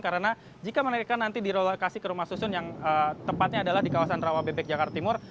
karena jika mereka nanti direlokasi ke rumah susun yang tempatnya adalah di kawasan rawa bebek jakarta timur